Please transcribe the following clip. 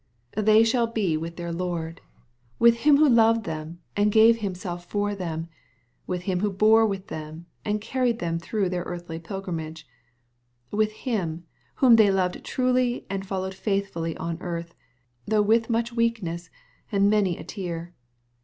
They shall be with their Lord, — with Him who loved them and gave Himself for them, — with Him who bore with them, and carried them through their earthly pilgrimage, — ^with Him, whom they loved truly and followed faithfully on earth, though with much weakness, and many a tear.